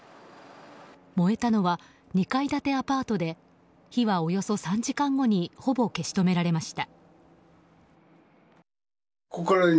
燃えたのは２階建てアパートで火はおよそ３時間後にほぼ消し止められました。